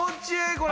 これ。